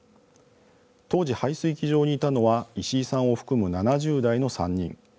当時、排水機場にいたのは石井さんを含む７０代の３人。